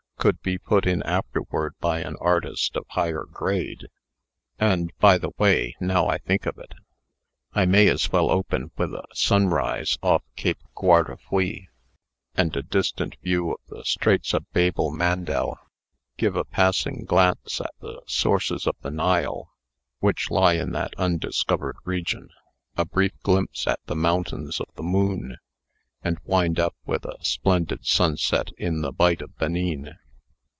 could be put in afterward by an artist of higher grade. And, by the way, now I think of it, I may as well open with a sunrise off Cape Guardafui, and a distant view of the Straits of Babel Mandel, give a passing glance at the sources of the Nile, which lie in that undiscovered region, a brief glimpse at the Mountains of the Moon, and wind up with a splendid sunset in the Bight of Benin.